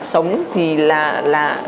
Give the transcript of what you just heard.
sống thì là